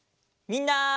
みんな！